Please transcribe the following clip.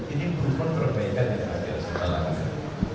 ini bukan perbaikan yang terakhir